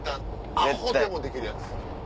アホでもできるやつ。